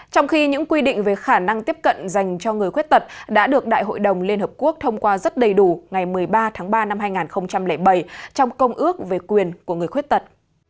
trong khi những quy định về khả năng tiếp cận dành cho người khuyết tật đã được đại hội đồng liên hợp quốc thông qua rất đầy đủ ngày một mươi ba tháng ba năm hai nghìn bảy trong công ước về quyền của người khuyết tật